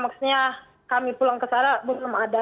maksudnya kami pulang ke sana belum ada